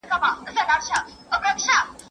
د خوار کور له دېواله معلومېږي.